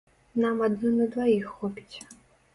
Нам адной на дваіх хопіць.